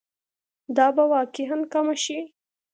دا به واقعاً کمه شي.